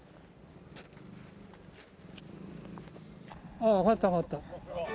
ああ揚がった揚がった。